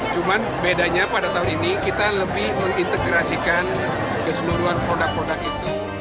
cuman bedanya pada tahun ini kita lebih mengintegrasikan keseluruhan produk produk itu